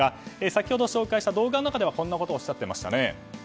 先ほど、紹介した動画の中ではこんなことをおっしゃっていましたね。